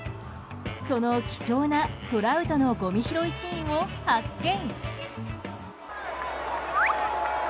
その貴重なトラウトのごみ拾いシーンを発見。